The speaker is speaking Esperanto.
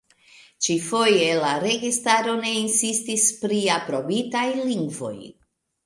Ĉi-foje la registaro ne insistis pri aprobitaj lingvoj.